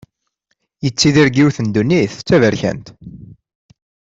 Yettidir deg yiwet n ddunit d taberkant.